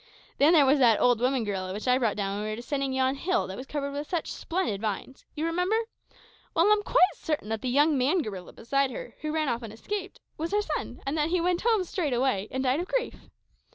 Then there was that old woman gorilla that I brought down when we were descending yon hill that was covered with such splendid vines. You remember? Well, I'm quite certain that the young man gorilla beside her, who ran off and escaped, was her son, and that he went home straightway and died of grief.